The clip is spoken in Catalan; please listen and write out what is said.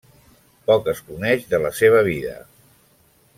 Poc es coneix de la seva vida.